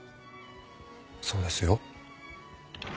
そうですよ。